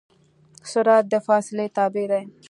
سرعت د فاصلې تابع دی.